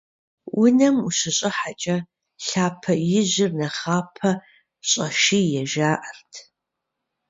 Унэм ущыщӏыхьэкӏэ лъапэ ижьыр нэхъапэ щӏэшие жаӏэрт.